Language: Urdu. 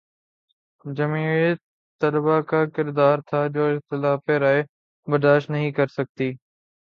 جمعیت طلبہ کا کردار تھا جو اختلاف رائے برداشت نہیں کر سکتی